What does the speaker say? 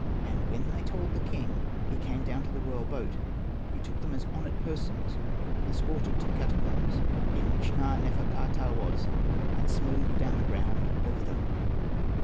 And when they told the king he came down to the royal boat. He took them as honoured persons escorted to the catacombs, in which Na.nefer.ka.ptah was, and smoothed down the ground over them.